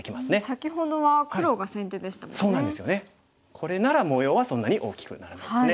これなら模様はそんなに大きくならないですね。